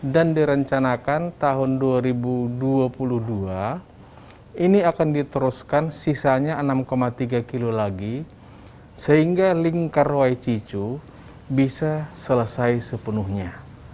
dan direncanakan tahun dua ribu dua puluh dua ini akan diteruskan sisanya enam tiga kilo lagi sehingga lingkar wai cicu bisa selesai sepenuhnya